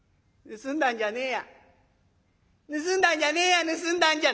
盗んだんじゃねえや。